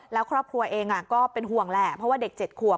แล้วครอบครัวเองก็เป็นห่วงแหละเพราะว่าเด็ก๗ขวบ